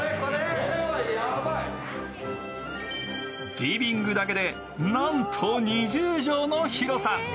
リビングだけでなんと２０畳の広さ。